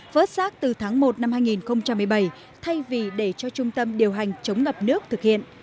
vớt rác từ tháng một năm hai nghìn một mươi bảy thay vì để cho trung tâm điều hành chống ngập nước thực hiện